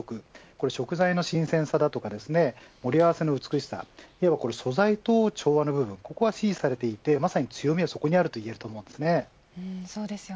これは食材の新鮮さや盛り合わせの美しさ素材と調和の部分が支持されていてまさに強みはそこにあるといえると思います。